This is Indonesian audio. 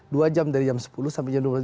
dua jam dari jam sepuluh sampai jam dua belas